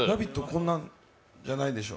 こんなじゃないでしょ？